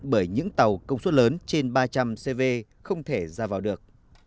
bởi những tàu công suất lớn trên ba trăm linh cv không thể ra vào được